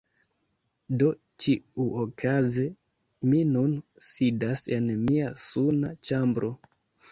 Do ĉiuokaze mi nun sidas en mia suna ĉambro